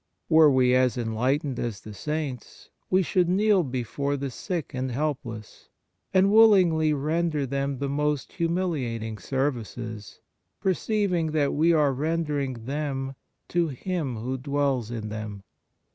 Were we as enlightened as the Saints, we should kneel before the sick and helpless, and willingly render them the most humiliating services, perceiving that we are rendering them to Him who dwells in them.